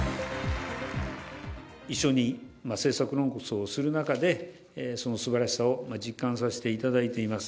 一緒に政策論争をする中で、そのすばらしさを実感させていただいています。